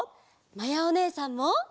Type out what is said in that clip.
まやおねえさんも！